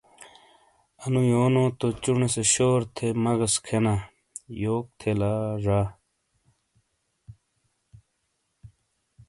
انو یونو تو چونے سے شور تھے مغز کھینا یوک تھے لا زا ۔